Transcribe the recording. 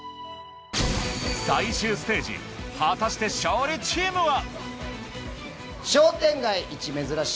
最終ステージ果たして勝利チームは？